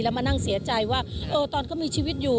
มานั่งเสียใจว่าตอนก็มีชีวิตอยู่